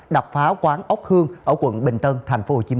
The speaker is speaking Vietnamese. đập phá quán ốc hương ở quận bình tân tp hcm